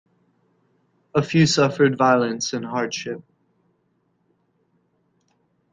A few suffered violence and hardship.